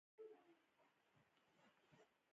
پکتیا کې اوس سخت ساړه دی.